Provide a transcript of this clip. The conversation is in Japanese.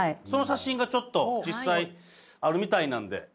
その写真がちょっと実際あるみたいなんで。